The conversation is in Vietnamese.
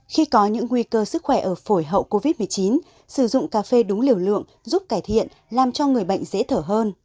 khi có những nguy cơ sức khỏe ở phổi hậu covid một mươi chín sử dụng cà phê đúng liều lượng giúp cải thiện làm cho người bệnh dễ thở hơn